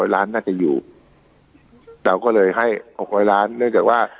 ล้านน่าจะอยู่เราก็เลยให้๖๐๐ล้านเนื่องจากว่า